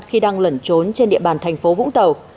khi đang lẩn trốn trên địa bàn thành phố vũng tàu